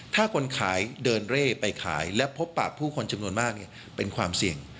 ถ้าคนขายเดินเร่ไปขายและพบปะผู้คนจำนวนมากเป็นความเสี่ยง